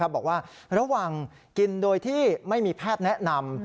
บอกว่าระวังกินโดยที่ไม่มีแพทย์แนะนำ